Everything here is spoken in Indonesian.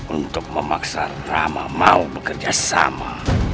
untuk memaksa rama mau bekerja sama